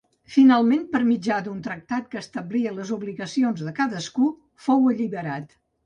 Finalment per mitjà d'un tractat que establia les obligacions de cadascun, fou alliberat.